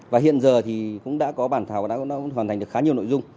và hiện giờ thì cũng đã có bản thảo và đã hoàn thành được khá nhiều nội dung